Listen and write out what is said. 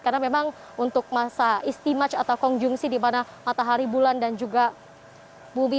karena memang untuk masa istimaj atau konjungsi di mana matahari bulan dan juga bumi